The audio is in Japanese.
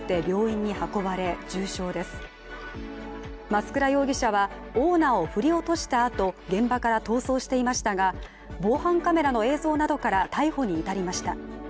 増倉容疑者はオーナーを振り落としたあと現場から逃走していましたが防犯カメラの映像などから逮捕に至りました。